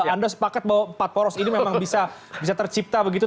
anda sepakat bahwa empat poros ini memang bisa tercipta begitu